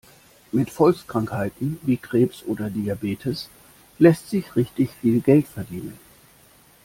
Mit Volkskrankheiten wie Krebs oder Diabetes lässt sich richtig viel Geld verdienen.